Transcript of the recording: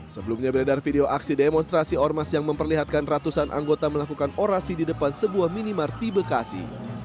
sebelumnya beredar video aksi demonstrasi ormas yang memperlihatkan ratusan anggota melakukan orasi di depan sebuah minimar di bekasi